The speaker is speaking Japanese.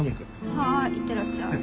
はーいいってらっしゃい。